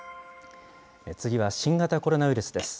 次は新型コロナウイルスです。